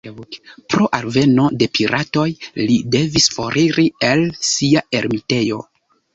Pro alveno de piratoj, li devis foriri el sia ermitejo.